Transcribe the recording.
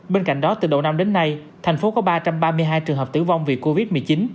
bên cạnh đó từ đầu năm đến nay thành phố có ba trăm ba mươi hai trường hợp tử vong vì covid một mươi chín